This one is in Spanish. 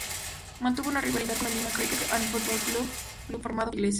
Mantuvo una rivalidad con el Lima Cricket and Football Club, club formado por ingleses.